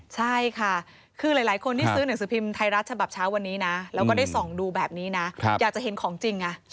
ใช่ค่ะคือหลายคนที่ซื้อหนังสือพิมพ์ไทยรัฐฉบับเช้าวันนี้นะแล้วก็ได้ส่องดูแบบนี้นะอยากจะเห็นของจริงไง